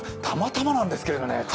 たまたまなんですけれどもね。